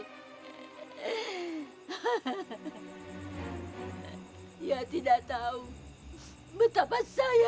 saya mengurusnya saya membesarkannya